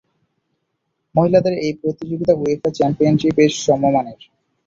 মহিলাদের এই প্রতিযোগিতা উয়েফা চ্যাম্পিয়নশিপ এর সমমানের।